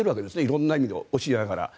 色んな意味を教えながら。